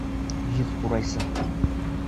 Йөҙ ҡурайсы!